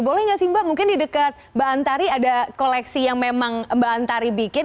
boleh nggak sih mbak mungkin di dekat mbak antari ada koleksi yang memang mbak antari bikin